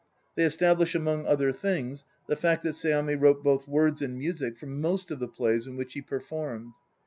They establish, among other things, the fact that Seami wrote both words and music for most of the plays in which he performed.